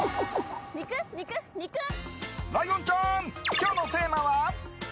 今日のテーマは？